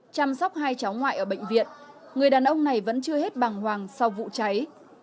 chăm sóc hai cháu ngoại ở bệnh viện người đàn ông này vẫn chưa hết bằng hoàng sau vụ cháy